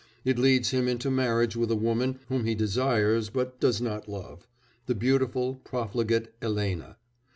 It leads him into marriage with a woman whom he desires but does not love the beautiful, profligate Elena.